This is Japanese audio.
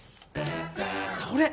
それ！